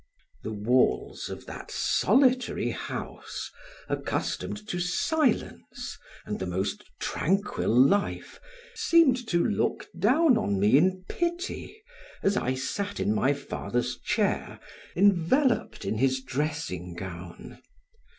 The walls of that solitary house, accustomed to silence and the most tranquil life, seemed to look down on me in pity as I sat in my father's chair, enveloped in his dressing gown.